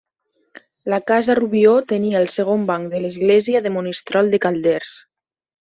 La casa Rubió tenia el segon banc de l'església de Monistrol de Calders.